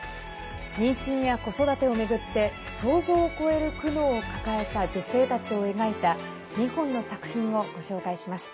妊娠や子育てを巡って想像を超える苦悩を抱えた女性たちを描いた２本の作品をご紹介します。